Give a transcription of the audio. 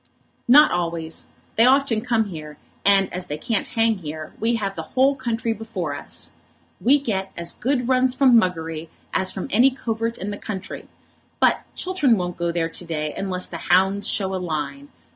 "Not always. They often come here, and as they can't hang here, we have the whole country before us. We get as good runs from Muggery as from any covert in the country. But Chiltern won't go there to day unless the hounds show a line.